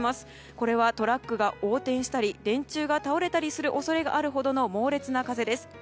これはトラックが横転したり電柱が倒れたりする恐れがあるほどの猛烈な風です。